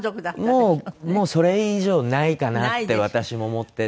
もうそれ以上ないかなって私も思って。